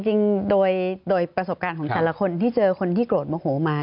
จริงโดยประสบการณ์ของแต่ละคนที่เจอคนที่โกรธโมโหมา